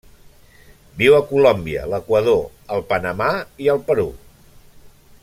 Viu a Colòmbia, l'Equador, el Panamà i el Perú.